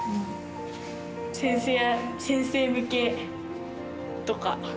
先生向けとか。